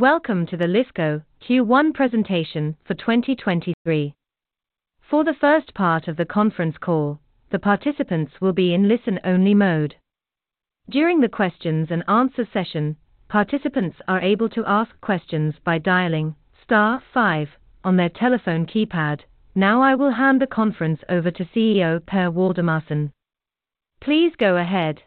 Welcome to the Lifco Q1 presentation for 2023. For the first part of the conference call, the participants will be in listen-only mode. During the questions and answer session, participants are able to ask questions by dialing star five on their telephone keypad. Now I will hand the conference over to CEO Per Waldemarson. Please go ahead.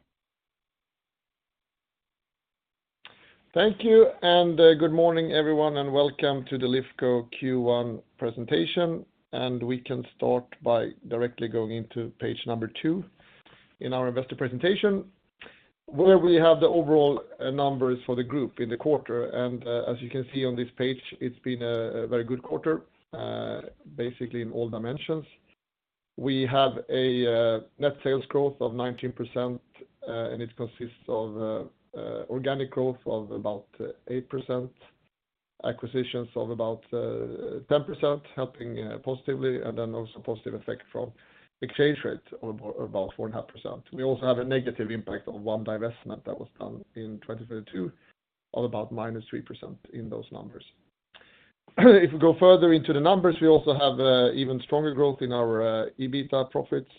Thank you, good morning everyone, and welcome to the Lifco Q1 presentation. We can start by directly going into page number one in our investor presentation, where we have the overall numbers for the group in the quarter. As you can see on this page, it's been a very good quarter, basically in all dimensions. We have a net sales growth of 19%, and it consists of organic growth of about 8%, acquisitions of about 10% helping positively, and then also positive effect from exchange rates of about 4.5%. We also have a negative impact on one divestment that was done in 2022, of about -3% in those numbers. If we go further into the numbers, we also have even stronger growth in our EBITA profits,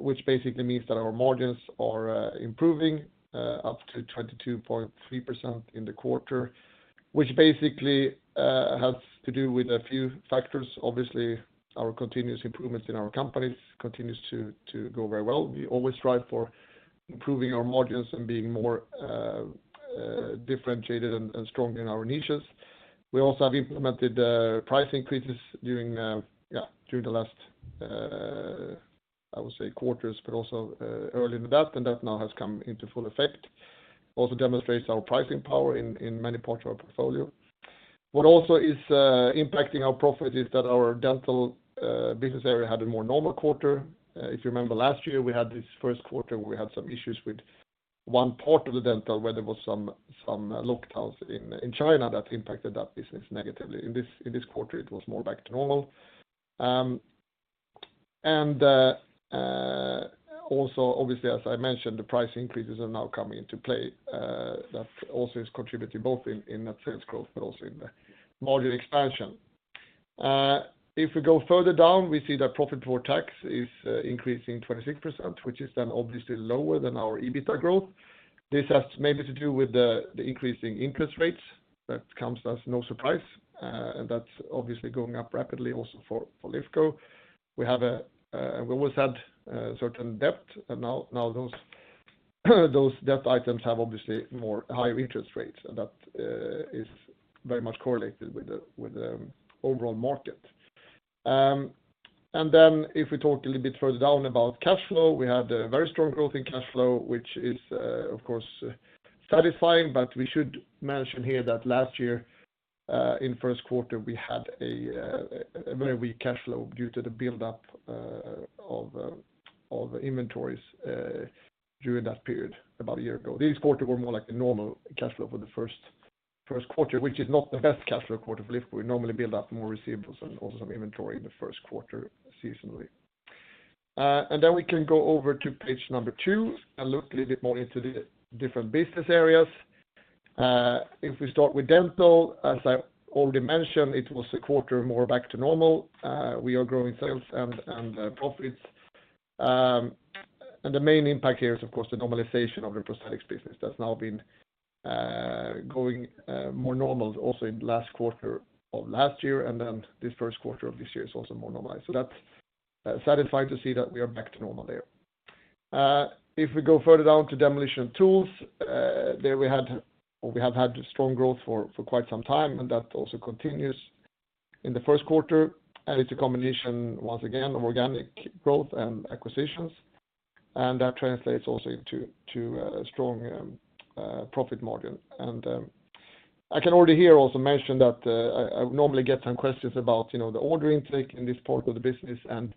which basically means that our margins are improving up to 22.3% in the quarter, which basically has to do with a few factors. Obviously, our continuous improvements in our companies continues to go very well. We always strive for improving our margins and being more differentiated and strong in our niches. We also have implemented price increases during yeah, during the last I would say quarters, but also early in that, and that now has come into full effect. Also demonstrates our pricing power in many parts of our portfolio. What also is impacting our profit is that our dental business area had a more normal quarter. If you remember last year, we had this first quarter where we had some issues with one part of the dental where there was some lockdowns in China that impacted that business negatively. In this quarter, it was more back to normal. Also obviously, as I mentioned, the price increases are now coming into play. That also is contributing both in net sales growth but also in the module expansion. If we go further down, we see that profit for tax is increasing 26%, which is then obviously lower than our EBITA growth. This has maybe to do with the increasing interest rates that comes as no surprise, and that's obviously going up rapidly also for Lifco. We have, we always had certain debt and now those debt items have obviously more higher interest rates, and that is very much correlated with the overall market. If we talk a little bit further down about cash flow, we had a very strong growth in cash flow, which is of course satisfying, but we should mention here that last year, in first quarter, we had a very weak cash flow due to the build-up of inventories during that period about a year ago. This quarter was more like a normal cash flow for the first quarter, which is not the best cash flow quarter for Lifco. We normally build up more receivables and also some inventory in the first quarter seasonally. We can go over to page two and look a little bit more into the different business areas. If we start with dental, as I already mentioned, it was a quarter more back to normal. We are growing sales and profits. The main impact here is of course the normalization of the prosthetics business. That's now been going more normal also in last quarter of last year, and then this first quarter of this year is also more normalized. That's satisfying to see that we are back to normal there. If we go further down to Demolition & Tools, there we had or we have had strong growth for quite some time, and that also continues in the first quarter. It's a combination, once again, of organic growth and acquisitions, and that translates also into strong profit margin. I can already hear also mention that I normally get some questions about, you know, the order intake in this part of the business and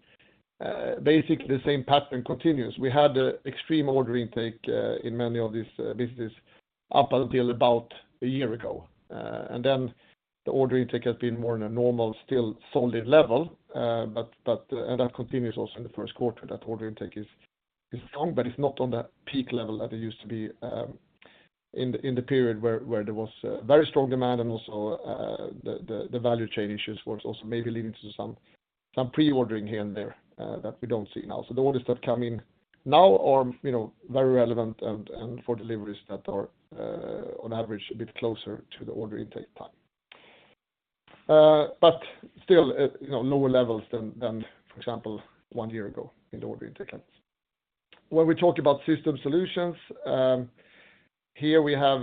basically the same pattern continues. We had extreme order intake in many of these business up until about a year ago. The order intake has been more in a normal, still solid level. That continues also in the first quarter. That order intake is strong, but it's not on that peak level that it used to be in the period where there was very strong demand and also the value chain issues was also maybe leading to some pre-ordering here and there that we don't see now. The orders that come in now are, you know, very relevant and for deliveries that are on average a bit closer to the order intake time. Still at, you know, lower levels than for example one year ago in the order intake levels. When we talk about Systems Solutions, here we have.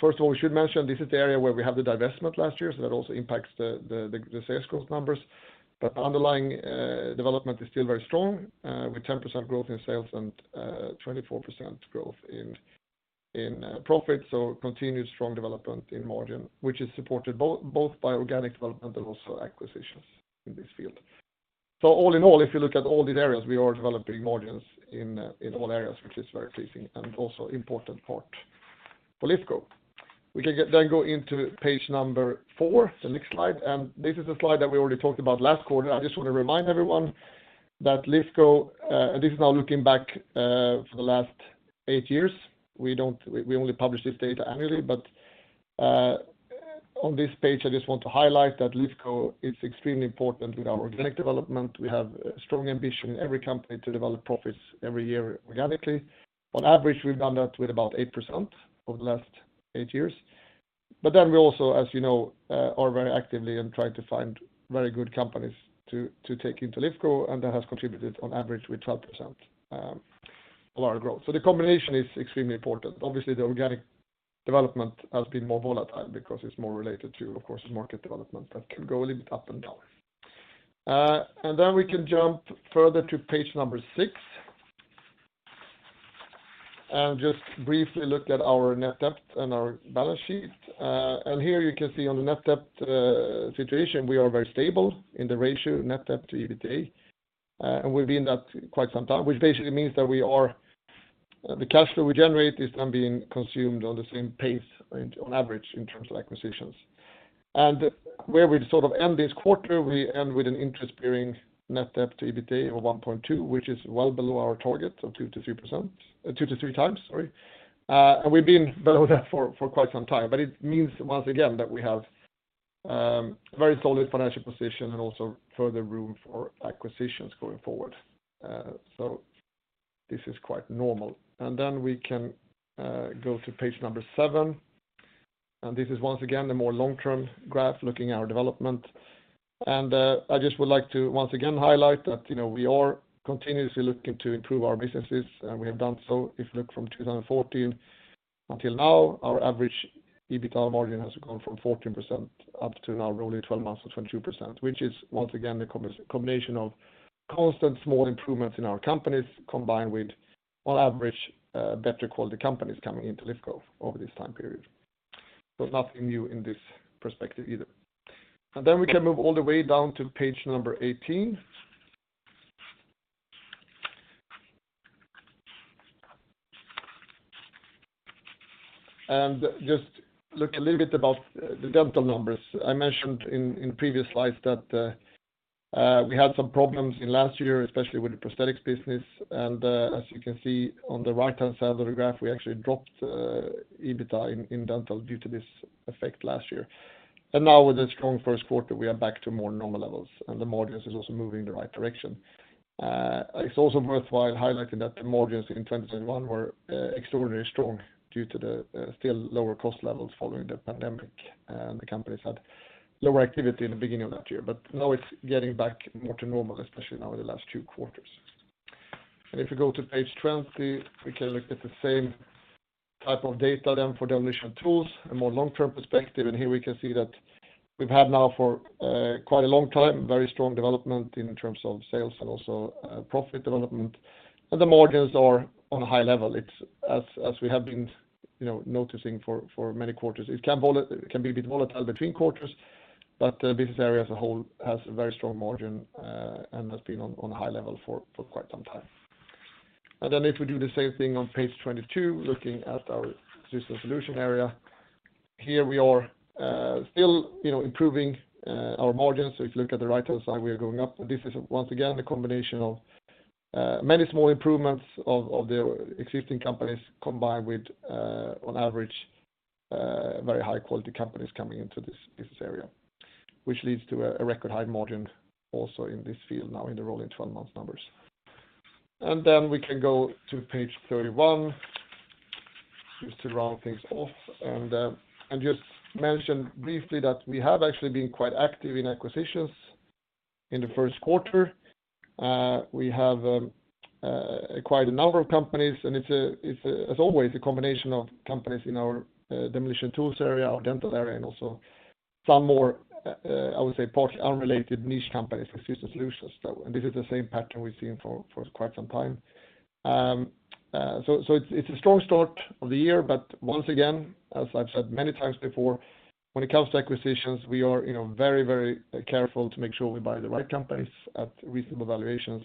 First of all, we should mention this is the area where we have the divestment last year, so that also impacts the sales growth numbers. Underlying development is still very strong, with 10% growth in sales and 24% growth in profit. Continued strong development in margin, which is supported both by organic development and also acquisitions in this field. All in all, if you look at all these areas, we are developing margins in all areas which is very pleasing and also important part for Lifco. We can then go into page number four, the next slide. This is a slide that we already talked about last quarter. I just want to remind everyone that Lifco, this is now looking back for the last eight years. We only publish this data annually, but on this page, I just want to highlight that Lifco is extremely important in our organic development. We have strong ambition in every company to develop profits every year organically. On average, we've done that with about 8% over the last eight years. We also, as you know, are very actively and trying to find very good companies to take into Lifco, and that has contributed on average with 12%, of our growth. The combination is extremely important. Obviously, the organic development has been more volatile because it's more related to, of course, market development that can go a little bit up and down. Then we can jump further to page number six. Just briefly look at our net debt and our balance sheet. Here you can see on the net debt situation; we are very stable in the ratio net debt to EBITDA. We've been that quite some time, which basically means that the cash flow we generate is not being consumed on the same pace on average in terms of acquisitions. Where we sort of end this quarter, we end with an interest-bearing net debt to EBITDA of 1.2, which is well below our target of 2-3x. We've been below that for quite some time. It means once again that we have very solid financial position and also further room for acquisitions going forward. This is quite normal. Then we can go to page number seven. This is once again the more long-term graph looking at our development. I just would like to once again highlight that, you know, we are continuously looking to improve our businesses, and we have done so. If you look from 2014 until now, our average EBITDA margin has gone from 14% up to now rolling 12 months of 22%, which is once again the combination of constant small improvements in our companies combined with on average, better quality companies coming into Lifco over this time period. Nothing new in this perspective either. We can move all the way down to page number 18. Just look a little bit about the dental numbers. I mentioned in previous slides that we had some problems in last year, especially with the prosthetics business. As you can see on the right-hand side of the graph, we actually dropped EBITDA in dental due to this effect last year. Now with a strong first quarter, we are back to more normal levels, and the margins is also moving in the right direction. It's also worthwhile highlighting that the margins in 2021 were extraordinarily strong due to the still lower cost levels following the pandemic. The companies had lower activity in the beginning of that year, but now it's getting back more to normal, especially now in the last two quarters. If you go to page 20, we can look at the same type of data then for Demolition & Tools, a more long-term perspective. Here we can see that we've had now for quite a long time, very strong development in terms of sales and also profit development. The margins are on a high level. It's as we have been, you know, noticing for many quarters. It can be a bit volatile between quarters, but the business area as a whole has a very strong margin and has been on a high level for quite some time. If we do the same thing on page 22, looking at our Systems Solutions area, here we are still, you know, improving our margins. If you look at the right-hand side, we are going up. This is once again a combination of many small improvements of the existing companies combined with on average very high-quality companies coming into this business area, which leads to a record high margin also in this field now in the rolling 12 months numbers. We can go to page 31 just to round things off. Just mention briefly that we have actually been quite active in acquisitions in the first quarter. We have acquired a number of companies, and it's as always a combination of companies in our Demolition & Tools area, our dental area, and also some more, I would say, partly unrelated niche companies with Systems Solutions. This is the same pattern we've seen for quite some time. It's a strong start of the year. Once again, as I've said many times before, when it comes to acquisitions, we are, you know, very careful to make sure we buy the right companies at reasonable valuations.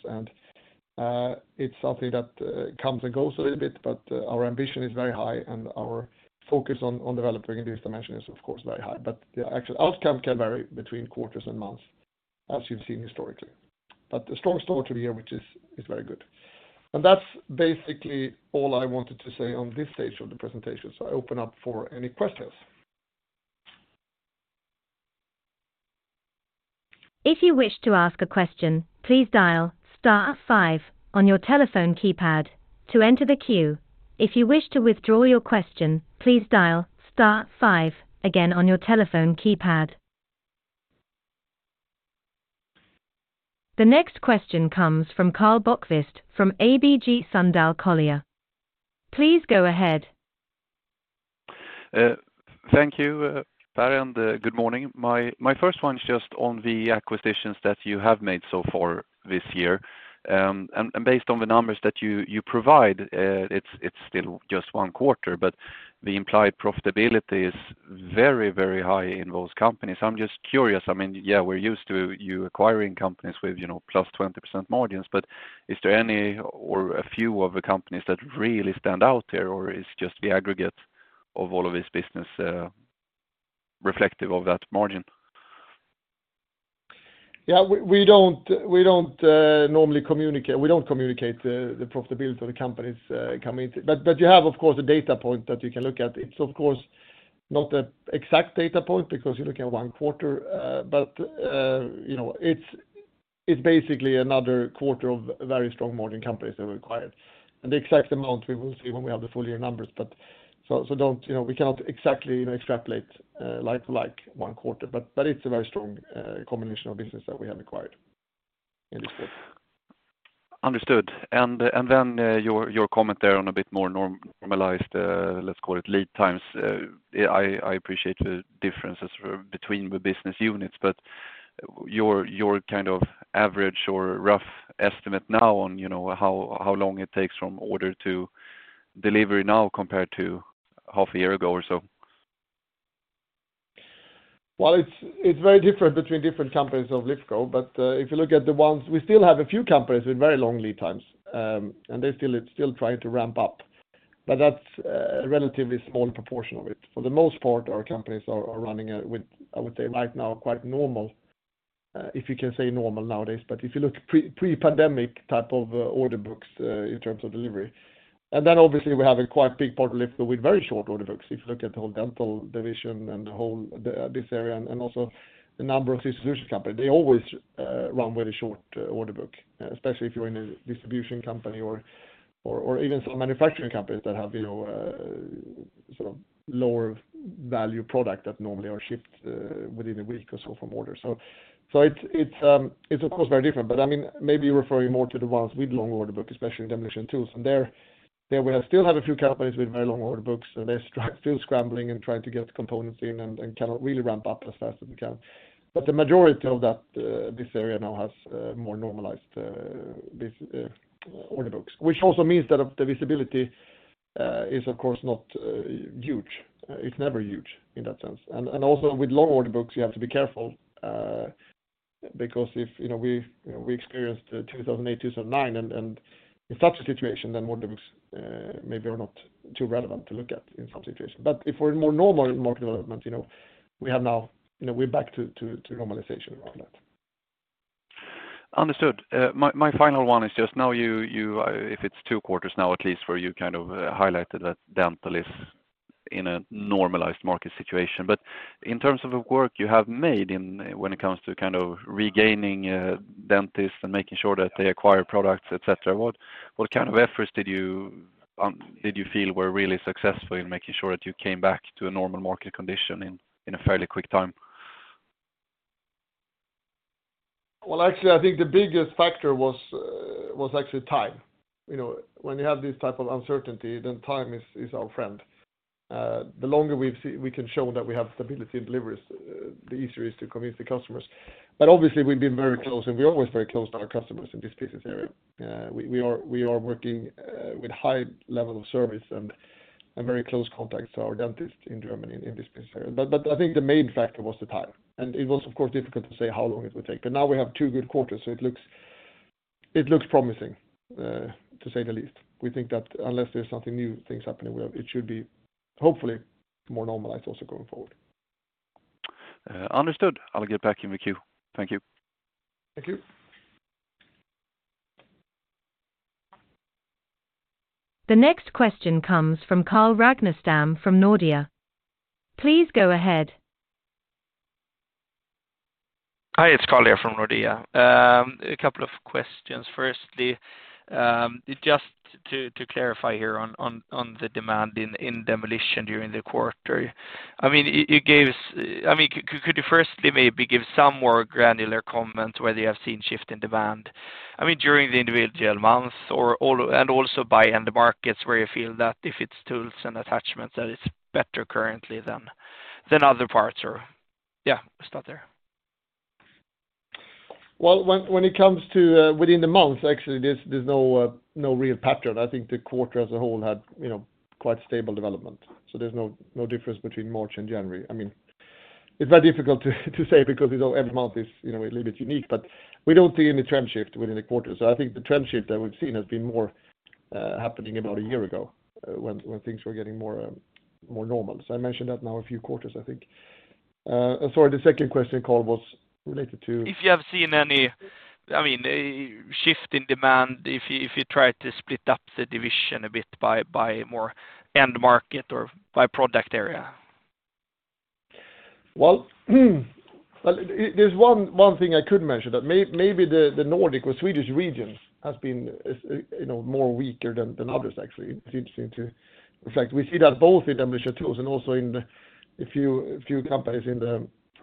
It's something that comes and goes a little bit, but our ambition is very high and our focus on developing in this dimension is of course very high. The actual outcome can vary between quarters and months as you've seen historically. A strong start to the year, which is very good. That's basically all I wanted to say on this stage of the presentation. I open up for any questions. If you wish to ask a question, please dial star five on your telephone keypad to enter the queue. If you wish to withdraw your question, please dial star five again on your telephone keypad. The next question comes from Karl Bokvist from ABG Sundal Collier. Please go ahead. Thank you, Per. Good morning. My first one is just on the acquisitions that you have made so far this year. Based on the numbers that you provide, it's still just one quarter, but the implied profitability is very, very high in those companies. I'm just curious. I mean, yeah, we're used to you acquiring companies with, you know, +20% margins, but is there any or a few of the companies that really stand out there, or is just the aggregate of all of this business reflective of that margin? Yeah, we don't communicate the profitability of the companies coming into it. You have, of course, a data point that you can look at. It's of course not an exact data point because you're looking at 1 quarter, but, you know, it's basically another quarter of very strong morning companies that we acquired. The exact amount we will see when we have the full year numbers. Don't, you know, we cannot exactly, you know, extrapolate, like, one quarter, but it's a very strong combination of business that we have acquired in this quarter. Understood. Your comment there on a bit more norm-normalized, let's call it lead times. I appreciate the differences between the business units, but your kind of average or rough estimate now on, you know, how long it takes from order to delivery now compared to half a year ago or so? Well, it's very different between different companies of Lifco. If you look at the ones, we still have a few companies with very long lead times, and they're still trying to ramp up. That's a relatively small proportion of it. For the most part, our companies are running at with, I would say right now, quite normal, if you can say normal nowadays, but if you look pre-pre-pandemic type of order books, in terms of delivery. Obviously, we have a quite big part of Lifco with very short order books. If you look at the whole dental division and the whole this area and also the number of distribution company, they always run very short order book. Especially if you're in a distribution company or even some manufacturing companies that have, you know, sort of lower value product that normally are shipped within a week or so from order. It's of course very different. I mean, maybe you're referring more to the ones with long order book, especially in Demolition & Tools. There we still have a few companies with very long order books. They're still scrambling and trying to get components in and cannot really ramp up as fast as we can. The majority of that area now has more normalized order books, which also means that of the visibility is of course not huge. It's never huge in that sense. Also with long order books, you have to be careful, because if, you know, we experienced 2008, 2009, and in such a situation then order books, maybe are not too relevant to look at in some situations. If we're in more normal market development, you know, we have now, you know, we are back to normalization around that. Understood. My final one is just now you, if it's two quarters now at least where you kind of highlighted that dental is in a normalized market situation. In terms of the work you have made in when it comes to kind of regaining dentists and making sure that they acquire products, et cetera, what kind of efforts did you feel were really successful in making sure that you came back to a normal market condition in a fairly quick time? Well, actually I think the biggest factor was actually time. You know, when you have this type of uncertainty, time is our friend. The longer we can show that we have stability in deliveries, the easier is to convince the customers. Obviously, we've been very close, and we're always very close to our customers in this business area. We are working with high level of service and very close contacts to our dentists in Germany in this business area. I think the main factor was the time, and it was of course difficult to say how long it would take. Now we have two good quarters, so it looks promising to say the least. We think that unless there's something new things happening, well, it should be hopefully more normalized also going forward. understood. I'll get back in the queue. Thank you. Thank you. The next question comes from Carl Ragnerstam from Nordea. Please go ahead. Hi, it's Carl here from Nordea. A couple of questions. Firstly, just to clarify here on the demand in Demolition during the quarter. I mean, could you firstly maybe give some more granular comment whether you have seen shift in demand, I mean, during the individual month and also by end markets where you feel that if it's tools and attachments that is better currently than other parts or, yeah, start there. When it comes to within the month, actually there's no real pattern. I think the quarter as a whole had, you know, quite stable development, so there's no difference between March and January. I mean, it's very difficult to say because, you know, every month is, you know, a little bit unique, but we don't see any trend shift within the quarter. I think the trend shift that we've seen has been more happening about a year ago, when things were getting more normal. I mentioned that now a few quarters, I think. Sorry, the second question Carl was related to? If you have seen any, I mean, a shift in demand if you try to split up the division a bit by more end market or by product area. Well, there's one thing I could mention that maybe the Nordic or Swedish regions has been, is, you know, more weaker than others actually. It's interesting to reflect. We see that both in Demolition Tools and also in a few companies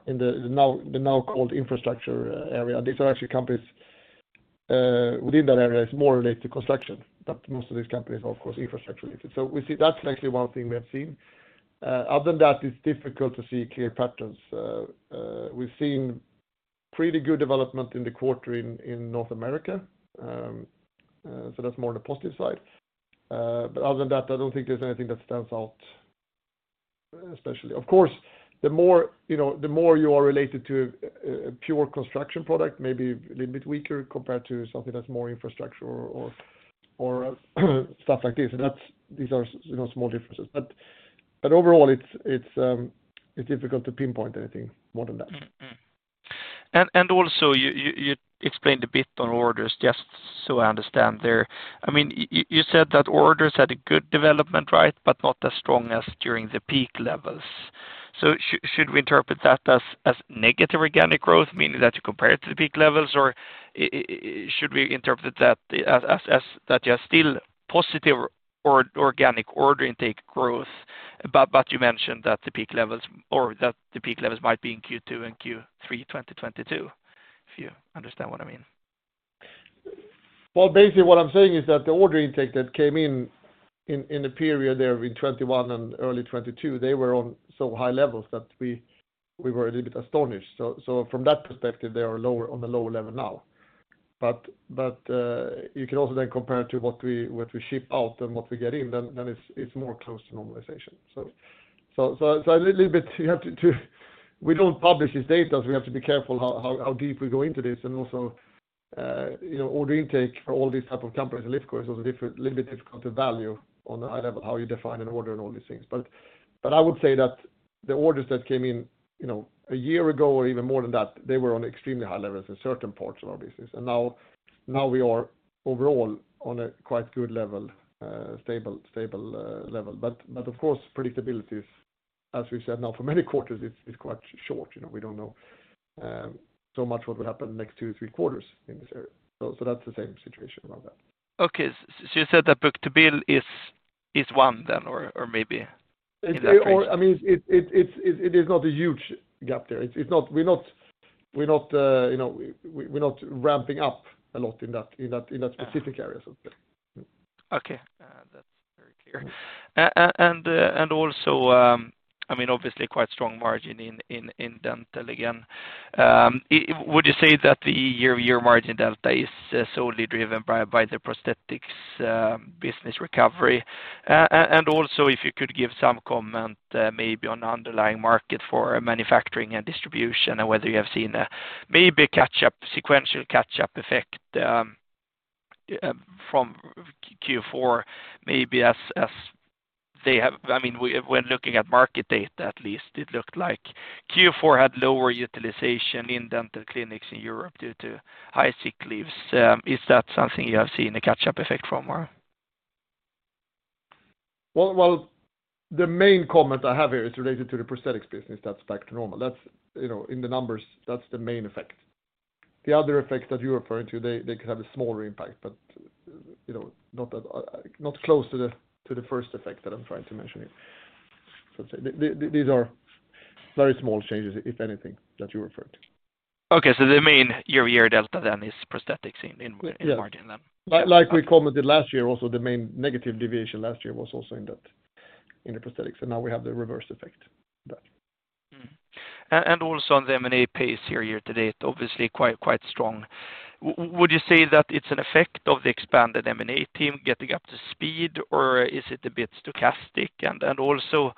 in the now called infrastructure area. These are actually companies within that area is more related to construction, but most of these companies are of course infrastructure related. We see that's actually one thing we have seen. Other than that, it's difficult to see clear patterns. We've seen pretty good development in the quarter in North America. That's more on the positive side. Other than that, I don't think there's anything that stands out especially. Of course, the more, you know, the more you are related to a pure construction product, maybe a little bit weaker compared to something that's more infrastructure or stuff like this. That's, these are, you know, small differences. Overall, it's difficult to pinpoint anything more than that. Also you explained a bit on orders, just so I understand there. I mean, you said that orders had a good development, right? Not as strong as during the peak levels. Should we interpret that as negative organic growth, meaning that you compare it to the peak levels? Should we interpret that as that you're still positive or organic order intake growth, but you mentioned that the peak levels might be in Q2 and Q3 2022? If you understand what I mean? Basically what I'm saying is that the order intake that came in the period there in 2021 and early 2022, they were on so high levels that we were a little bit astonished. From that perspective, they are on a lower level now. You can also then compare it to what we ship out and what we get in, it's more close to normalization. A little bit you have to. We don't publish this data, we have to be careful how deep we go into this. Also, you know, order intake for all these type of companies, and Lifco is also different, a little bit difficult to value on a high level how you define an order and all these things. I would say that the orders that came in, you know, a year ago or even more than that, they were on extremely high levels in certain parts of our business. Now we are overall on a quite good, stable level. Of course, predictabilities, as we said now for many quarters, it's quite short. You know, we don't know so much what will happen next two, three quarters in this area. That's the same situation around that. Okay. You said that book-to-bill is one then or maybe in that range? I mean, it is not a huge gap there. We're not, you know, we're not ramping up a lot in that specific area, so to say. Okay. That's very clear. Also, I mean, obviously quite strong margin in dental again. Would you say that the year-over-year margin delta is solely driven by the prosthetics business recovery? Also, if you could give some comment, maybe on underlying market for manufacturing and distribution and whether you have seen a catch-up, sequential catch-up effect, from Q4 maybe as they have. I mean, when looking at market data, at least it looked like Q4 had lower utilization in dental clinics in Europe due to high sick leaves. Is that something you have seen a catch-up effect from or? Well, the main comment I have here is related to the prosthetics business that's back to normal. That's, you know, in the numbers, that's the main effect. The other effects that you're referring to, they could have a smaller impact, but, you know, not close to the first effect that I'm trying to mention here. Say, these are very small changes, if anything, that you referred to. Okay. The main year-over-year delta then is prosthetics in margin then? Yeah. Like we commented last year also, the main negative deviation last year was also in that, in the prosthetics, now we have the reverse effect there. Also on the M&A pace year to date, obviously quite strong. Would you say that it's an effect of the expanded M&A team getting up to speed, or is it a bit stochastic? Also,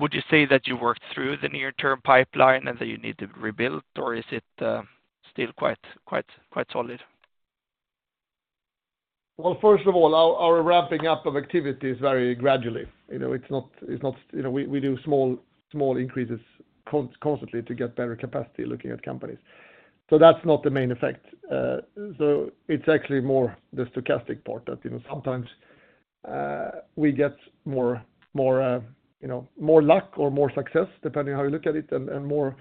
would you say that you worked through the near-term pipeline and that you need to rebuild, or is it still quite solid? Well, first of all, our ramping up of activity is very gradually. You know, it's not. You know, we do small increases constantly to get better capacity looking at companies. That's not the main effect. It's actually more the stochastic part that, you know, sometimes, we get more, you know, more luck or more success depending how you look at it, and more,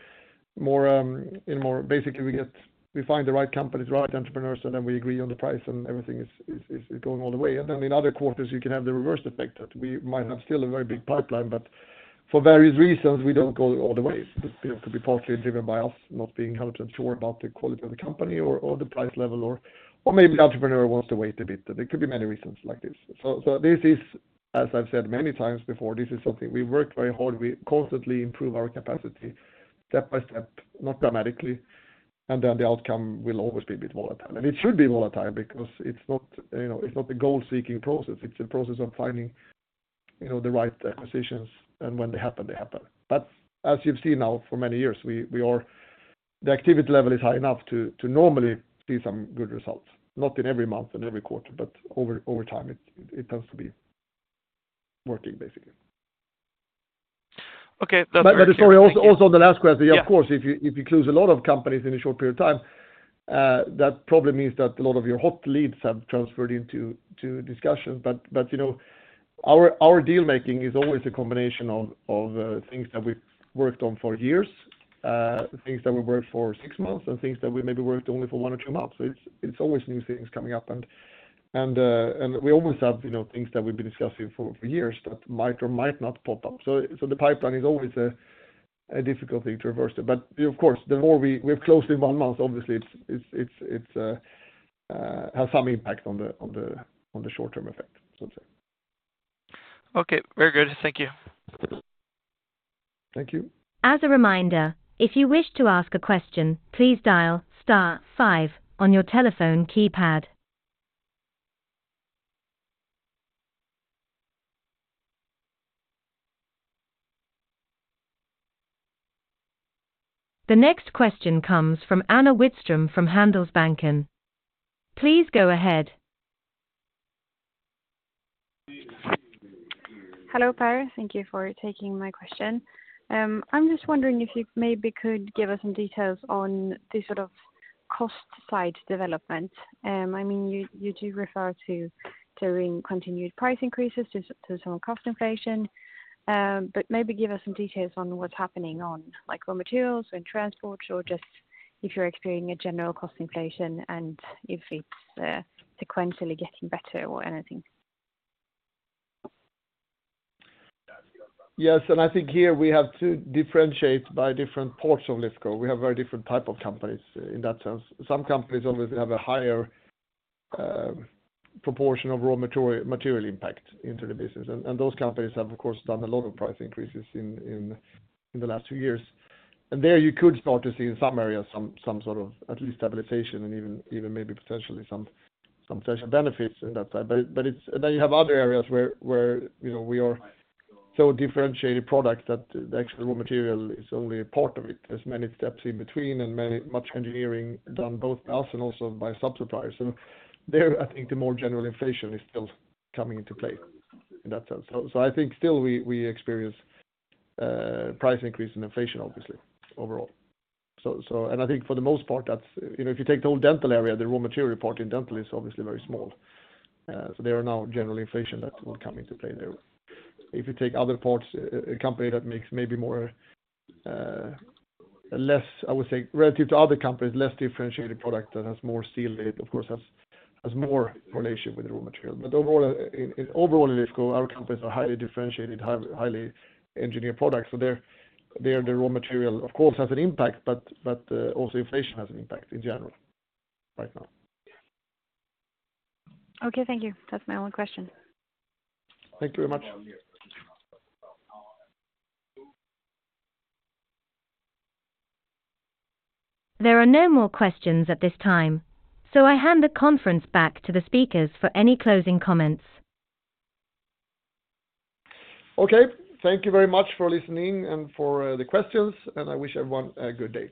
more. Basically, we find the right companies, right entrepreneurs, and then we agree on the price and everything is going all the way. In other quarters, you can have the reverse effect that we might have still a very big pipeline, but for various reasons, we don't go all the way. You know, it could be partially driven by us not being 100 sure about the quality of the company or the price level or maybe the entrepreneur wants to wait a bit. There could be many reasons like this. As I've said many times before, this is something we work very hard. We constantly improve our capacity step by step, not dramatically, and then the outcome will always be a bit volatile. It should be volatile because it's not, you know, it's not a goal-seeking process. It's a process of finding, you know, the right acquisitions, and when they happen, they happen. As you've seen now for many years, we are. The activity level is high enough to normally see some good results, not in every month and every quarter, but over time, it tends to be working, basically. Okay. That's very clear. Thank you. The story also on the last question. Yeah. Of course, if you close a lot of companies in a short period of time, that probably means that a lot of your hot leads have transferred into discussions. You know, our deal-making is always a combination of things that we've worked on for years, things that we worked for six months, and things that we maybe worked only for one or two months. It's always new things coming up and we always have, you know, things that we've been discussing for years that might or might not pop up. The pipeline is always a difficult thing to reverse it. Of course, the more we've closed in one month, obviously has some impact on the short-term effect, so to say. Okay. Very good. Thank you. Thank you. As a reminder, if you wish to ask a question, please dial star 5 on your telephone keypad. The next question comes from Anna Widström from Handelsbanken. Please go ahead. Hello, Per. Thank you for taking my question. I'm just wondering if you maybe could give us some details on the sort of cost side development. I mean, you do refer to continued price increases to some cost inflation, but maybe give us some details on what's happening on like raw materials and transport or just if you're experiencing a general cost inflation and if it's sequentially getting better or anything? Yes. I think here we have to differentiate by different ports of Lifco. We have very different type of companies in that sense. Some companies obviously have a higher proportion of raw material impact into the business. Those companies have of course done a lot of price increases in the last two years. There you could start to see in some areas some sort of at least stabilization and even maybe potentially some potential benefits in that side. But it's... you have other areas where, you know, we are so differentiated product that the actual raw material is only a part of it. There's many steps in between and many much engineering done both by us and also by suppliers. There, I think the more general inflation is still coming into play in that sense. I think still we experience price increase and inflation obviously overall. I think for the most part that's. You know, if you take the whole dental area, the raw material part in dental is obviously very small. There are now general inflation that will come into play there. If you take other parts, a company that makes maybe more, less, I would say, relative to other companies, less differentiated product that has more steel in it, of course, has more relation with the raw material. Overall in Lifco, our companies are highly differentiated, highly engineered products. There the raw material of course, has an impact, but also inflation has an impact in general right now. Okay, thank you. That's my only question. Thank you very much. There are no more questions at this time, so I hand the conference back to the speakers for any closing comments. Okay. Thank you very much for listening and for the questions. I wish everyone a good day.